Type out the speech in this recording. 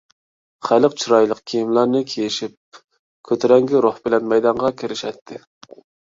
خەلق چىرايلىق كىيىملىرىنى كىيىشىپ كۆتۈرەڭگۈ روھ بىلەن مەيدانغا كىرىشەتتى.